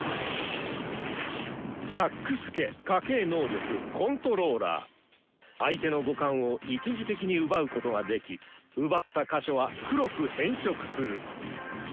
シャックス家家系能力相手の五感を一時的に奪うことができ奪った箇所は黒く変色する。